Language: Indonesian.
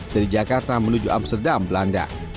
dari jakarta menuju amsterdam belanda